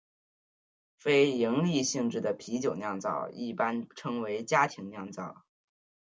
非营利性质的啤酒酿造一般称为家庭酿造。